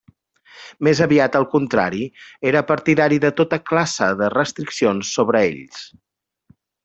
Més aviat al contrari, era partidari de tota classe de restriccions sobre ells.